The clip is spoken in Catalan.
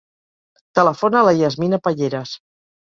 Telefona a la Yasmina Payeras.